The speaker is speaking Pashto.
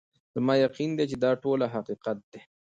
زما یقین دی چي دا ټوله حقیقت دی